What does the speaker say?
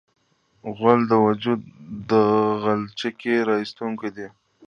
غول د وجود غلچکي راایستونکی دی.